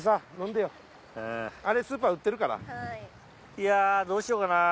いやあどうしようかなあ。